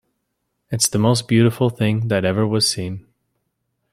It's the most beautiful thing that ever was seen!